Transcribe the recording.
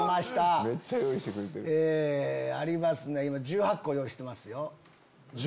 今１８個用意してますよ。